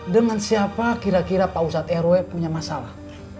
dengan siapa kira kira pausat rw punya masalah